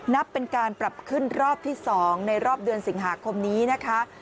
นับเป็นการปรับขึ้นรอบที่๒ในรอบเดือนสิงหาคมนี้นะคะ